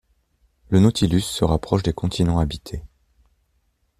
Le Nautilus se rapproche des continents habités.